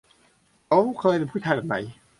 เขาเคยเป็นผู้ชายแบบไหน